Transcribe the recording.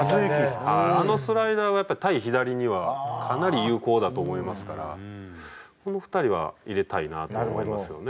あのスライダーはやっぱり対左にはかなり有効だと思いますからこの２人は入れたいなと思いますよね。